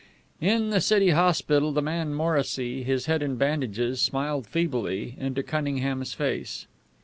In the city hospital the man Morrissy, his head in bandages, smiled feebly into Cunningham's face.